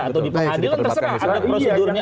atau diperadil terserah ada prosedurnya